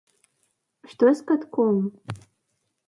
Што ж з катком?